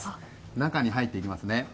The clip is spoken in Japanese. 中に入っていきますね。